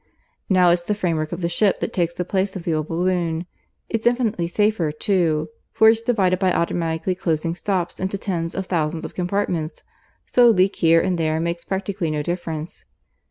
Now it's the framework of the ship that takes the place of the old balloon. It's infinitely safer, too, for it's divided by automatically closing stops into tens of thousands of compartments, so a leak here and there makes practically no difference.